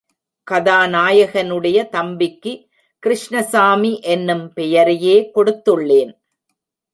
கதாநாயகனுடைய தம்பிக்கு கிருஷ்ணசாமி என்னும் பெயரையே கொடுத்துள்ளேன்.